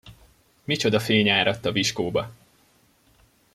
Micsoda fény áradt a viskóba!